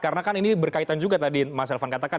karena kan ini berkaitan juga tadi mas elvan katakan